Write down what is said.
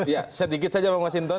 ya sedikit saja bang masinton